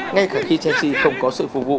ngay cả khi chelsea không có sự phục vụ